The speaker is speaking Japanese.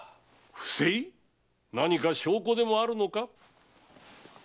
不正⁉何か証拠でもあるのか？